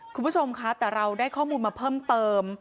คุณผู้ชมคะแต่เราได้ข้อมูลมาเพิ่มเติม